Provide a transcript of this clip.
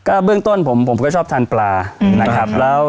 เบื้องต้นผมผมก็ชอบทานปลานะครับ